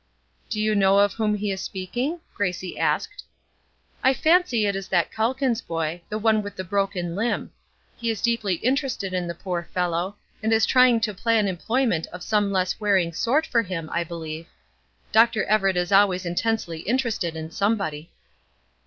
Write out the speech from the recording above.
"Do you know of whom he is speaking?" Gracie asked. "I fancy it is that Calkins boy, the one with the broken limb. He is deeply interested in the poor fellow, and is trying to plan employment of some less wearing sort for him, I believe. Dr. Everett is always intensely interested in somebody."